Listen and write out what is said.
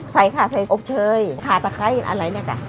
ใส่ค่ะใส่อบเชยขาตะไคร้อะไรเนี่ยจ้ะ